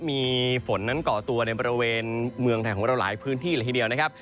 มีฝนนั้นก่อตัวในบริเวณเมืองไทยของเราหลายพื้นที่เลยทีเดียวนะครับ